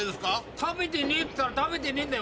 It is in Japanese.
食べてねえっつったら食べてねえんだよ